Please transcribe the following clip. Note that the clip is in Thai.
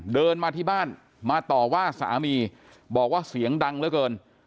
เดินมาที่บ้านมาต่อว่าสามีบอกว่าเสียงดังเหลือเกิน